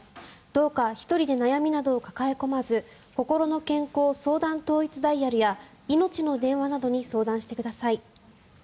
どうか１人で悩みなどを抱え込まずこころの健康相談統一ダイヤルやいのちの電話などに相談してください。